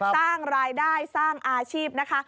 สร้างรายได้สร้างอาชีพนะคะ